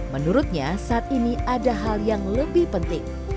menurutnya saat ini ada hal yang lebih penting